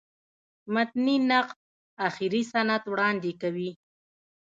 متني نقد آخري سند وړاندي کوي.